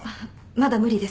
まだ無理です。